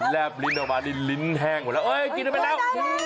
แลบลิ้นออกมาลิ้นแห้งหมดแล้ว